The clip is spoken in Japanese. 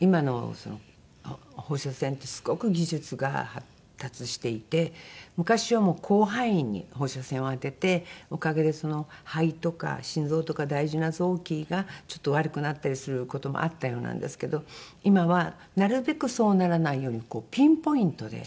今の放射線ってすごく技術が発達していて昔はもう広範囲に放射線を当てておかげで肺とか心臓とか大事な臓器がちょっと悪くなったりする事もあったようなんですけど今はなるべくそうならないようにピンポイントで。